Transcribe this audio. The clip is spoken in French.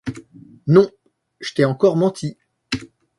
Non, je t’ai encore menti.